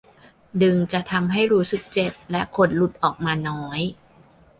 ดึงจะทำให้รู้สึกเจ็บและขนหลุดออกมาน้อย